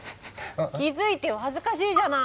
気付いてよ恥ずかしいじゃない！